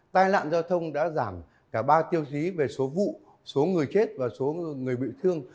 tai nạn giao thông đã giảm cả ba tiêu chí về số vụ số người chết và số người bị thương